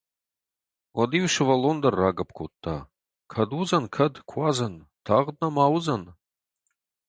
Уӕд-иу сывӕллон дӕр рагӕпп кодта: «Кӕд уыдзӕн, кӕд, куадзӕн, тагъд нӕма уыдзӕн?»